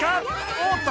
おおっと！